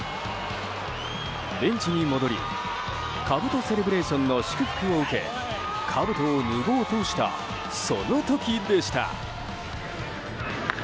ベンチに戻りかぶとセレブレーションの祝福を受けかぶとを脱ごうとしたその時でした。